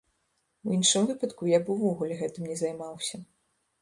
У іншым выпадку я б увогуле гэтым не займаўся.